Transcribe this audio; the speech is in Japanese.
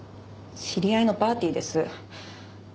知り合いのパーティーです。